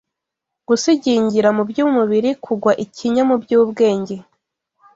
Gusigingira mu by’umubiri, kugwa ikinya mu by’ubwenge